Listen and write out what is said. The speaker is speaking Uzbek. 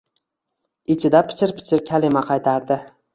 Ichida pichir-pichir kalima qaytardi.